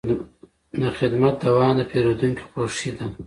د خدمت دوام د پیرودونکي خوښي ده.